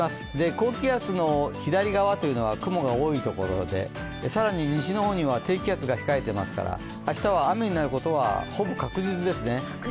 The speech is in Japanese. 高気圧の左側は雲が多いところで更に西の方には低気圧が控えていますから明日は雨になることはほぼ確実ですね。